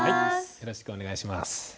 よろしくお願いします。